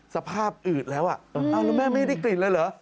สภาพอืดแล้วแล้วแม่ไม่ได้กลิ่นเลยเหรอ